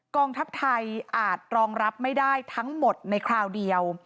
กองทัพไทยอาจรองรับไม่ได้ทั้งหมดในคราวเดียว